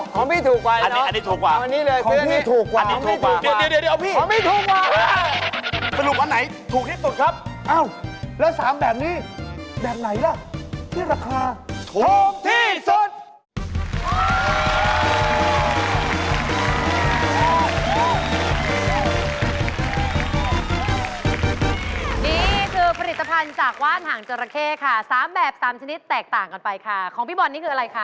ของพี่ถูกกว่านะเนอะอันนี้เลยคืออันนี้ของพี่ถูกกว่า